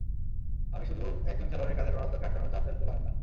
আপনি শুধু একজন খেলোয়াড়ের কাঁধে রোনালদোকে আটকানোর চাপ ফেলতে পারেন না।